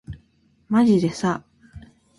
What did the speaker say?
まじでさ